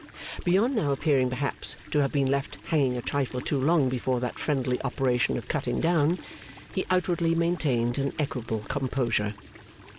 Beyond now appearing perhaps, to have been left hanging a trifle too long before that friendly operation of cutting down, he outwardly maintained an equable composure.